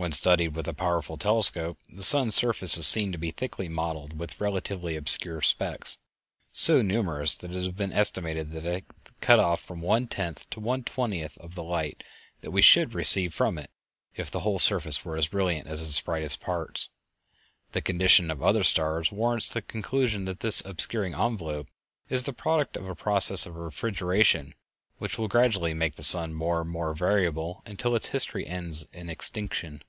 When studied with a powerful telescope the sun's surface is seen to be thickly mottled with relatively obscure specks, so numerous that it has been estimated that they cut off from one tenth to one twentieth of the light that we should receive from it if the whole surface were as brilliant as its brightest parts. The condition of other stars warrants the conclusion that this obscuring envelope is the product of a process of refrigeration which will gradually make the sun more and more variable until its history ends in extinction.